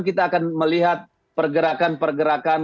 kita akan melihat pergerakan pergerakan